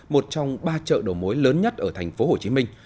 một trong ba chợ đầu mối lớn nhất ở thành phố hồ chí minh